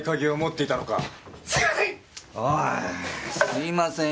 おいすいません